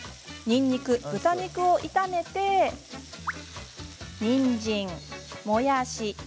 にんにく、豚肉を炒めにんじん、もやし